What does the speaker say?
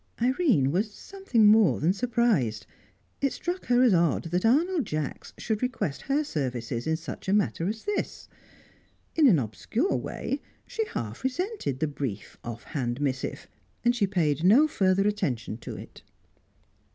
Irene was something more than surprised. It struck her as odd that Arnold Jacks should request her services in such a matter as this. In an obscure way she half resented the brief, off hand missive. And she paid no further attention to it.